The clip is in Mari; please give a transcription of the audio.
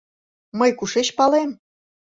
Мый кушеч палем?